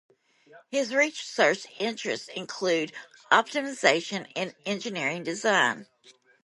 His research interests include Optimization in Engineering Design.